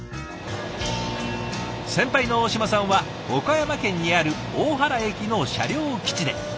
先輩の大島さんは岡山県にある大原駅の車両基地で。